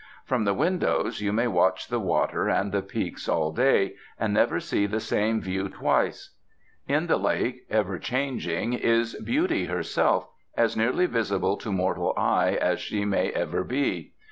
From the windows you may watch the water and the peaks all day, and never see the same view twice. In the lake, ever changing, is Beauty herself, as nearly visible to mortal eyes as she may ever be.